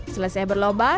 selesai berloba kita lanjut